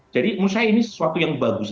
jadi menurut saya ini sesuatu yang bagus